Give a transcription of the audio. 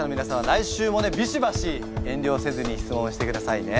来週もねビシバシ遠慮をせずに質問をしてくださいね。